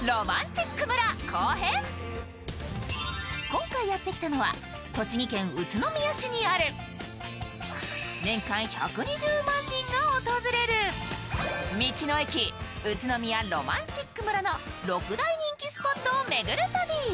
今回やってきたのは栃木県宇都宮市にある年間１２０万人が訪れる道の駅うつのみやろまんちっく村の６大人気スポットを巡る旅。